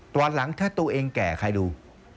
ตอนหลังถ้าตัวเองแก่ใครดู